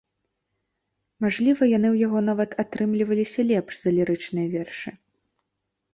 Мажліва, яны ў яго нават атрымліваліся лепш за лірычныя вершы.